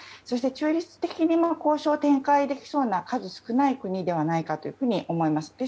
そして中立的に交渉を展開できそうな数少ない国ではないかと思います。